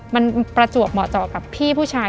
มันประจวบเหมาะต่อกับพี่ผู้ชาย